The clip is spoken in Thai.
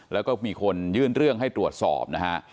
แล้วก็มีคนยื่นเรื่องให้ตรวจสอบนะฮะ